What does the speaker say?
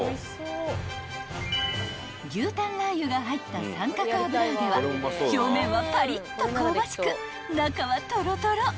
［牛タンラー油が入った三角あぶらあげは表面はパリッと香ばしく中はトロトロ］